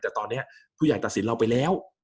แต่ตอนนี้ผู้ใหญ่ตัดสินเราไปแล้ว